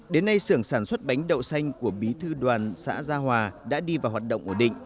đến nay sưởng sản xuất bánh đậu xanh của bí thư đoàn xã gia hòa đã đi vào hoạt động ổn định